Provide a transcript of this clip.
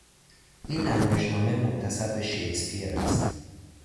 این نمایشنامه منتسب به شکسپیر است.